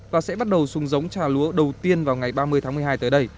và sẽ bắt đầu xuống giống trà lúa đầu tiên vào ngày ba mươi tháng một mươi hai tới đây